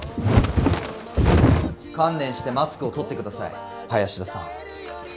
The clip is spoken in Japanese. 観念してマスクを取って下さい林田さん。